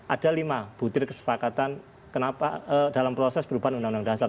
ada lima butir kesepakatan kenapa dalam proses perubahan undang undang dasar